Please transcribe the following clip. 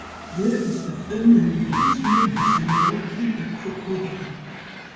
There is a family whose members may not kill a crocodile.